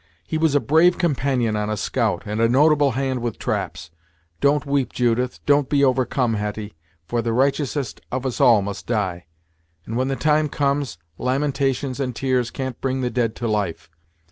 "He was a brave companion on a scout, and a notable hand with traps. Don't weep, Judith, don't be overcome, Hetty, for the righteousest of us all must die; and when the time comes, lamentations and tears can't bring the dead to life.